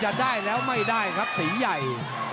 จะได้แล้วไม่ได้ครับตีใหญ่